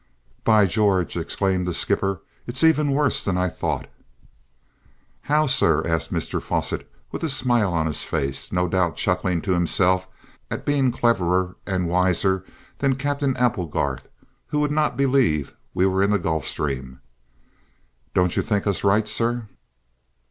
"By George!" exclaimed the skipper. "It's even worse than I thought." "How, sir?" asked Mr Fosset with a smile on his face, no doubt chuckling to himself at being cleverer and wiser than Captain Applegarth, who would not believe we were in the Gulf Stream. "Don't you think us right, sir?"